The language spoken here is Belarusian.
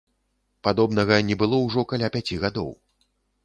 Падобнага не было ўжо каля пяці гадоў.